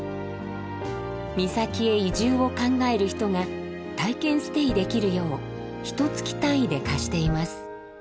三崎へ移住を考える人が体験ステイできるようひとつき単位で貸しています。